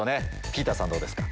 ピーターさんどうですか？